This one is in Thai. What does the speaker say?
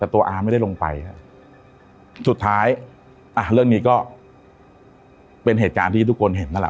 แต่ตัวอาไม่ได้ลงไปครับสุดท้ายอ่ะเรื่องนี้ก็เป็นเหตุการณ์ที่ทุกคนเห็นนั่นแหละ